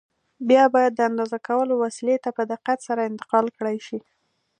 بیا باید د اندازه کولو وسیلې ته په دقت سره انتقال کړای شي.